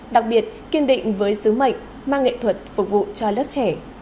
đặc biệt kiên định với sứ mệnh mang nghệ thuật phục vụ cho lớp trẻ